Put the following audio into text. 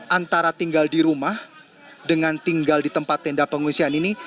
antara tinggal di rumah dengan tinggal di tempat tenda pengungsian ini